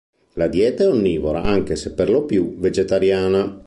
La dieta è onnivora, anche se per lo più vegetariana.